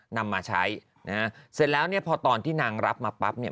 นำมาใช้นะฮะเสร็จแล้วเนี่ยพอตอนที่นางรับมาปั๊บเนี่ย